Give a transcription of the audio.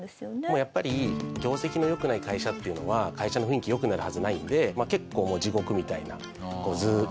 やっぱり業績の良くない会社っていうのは会社の雰囲気良くなるはずないんで結構もう地獄みたいなズーンとした空気だったんですね。